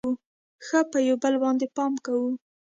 ښه به یو بل باندې پام کوو.